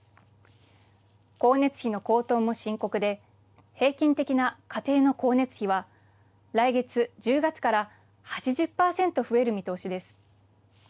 光熱費の高騰も深刻で平均的な家庭の光熱費は来月１０月から８０％増える見通しです。